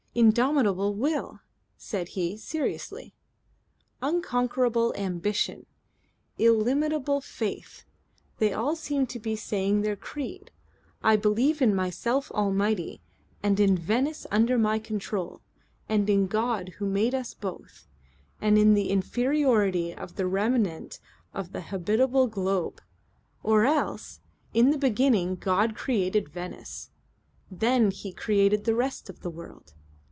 "'Indomitable will," said he seriously. "Unconquerable ambition, illimitable faith. They all seem to be saying their creed. 'I believe in myself almighty, and in Venice under my control, and in God who made us both, and in the inferiority of the remnant of the habitable globe.' Or else: 'In the beginning God created Venice. Then He created the rest of the world.